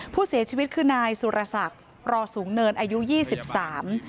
ผู้เสียชีวิตคือนายสุรศักดิ์รอสูงเนินอายุยี่สิบสาม